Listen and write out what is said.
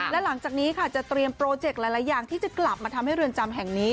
และหลังจากนี้ค่ะจะเตรียมโปรเจกต์หลายอย่างที่จะกลับมาทำให้เรือนจำแห่งนี้